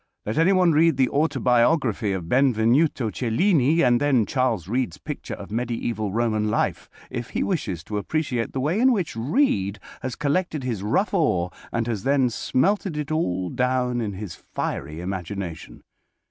Let any one read the "Autobiography of Benvenuto Cellini," and then Charles Reade's picture of Mediaeval Roman life, if he wishes to appreciate the way in which Reade has collected his rough ore and has then smelted it all down in his fiery imagination.